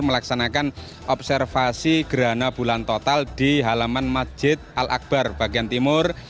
melaksanakan observasi gerhana bulan total di halaman masjid al akbar bagian timur